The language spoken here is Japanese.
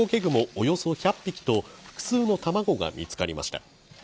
およそ１００匹と複数の卵が見つかりました